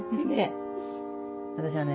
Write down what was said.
私はね